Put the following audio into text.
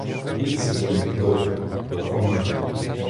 Місце для них добре — глухомань.